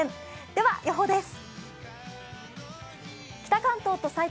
では、予報です。